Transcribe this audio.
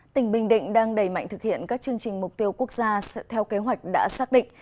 tỉnh bình định đang đẩy mạnh thực hiện các chương trình mục tiêu quốc gia theo kế hoạch đã xác định